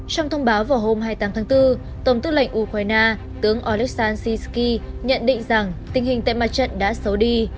trong thông báo vào hôm hai mươi tám tháng bốn tổng tư lệnh ukraine tướng alexansisky nhận định rằng tình hình tại mặt trận đã xấu đi